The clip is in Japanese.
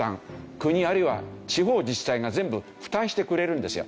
国あるいは地方自治体が全部負担してくれるんですよ。